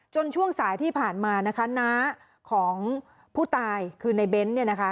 ช่วงสายที่ผ่านมานะคะน้าของผู้ตายคือในเบ้นเนี่ยนะคะ